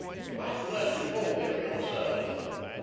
"Not unless you told him yourself."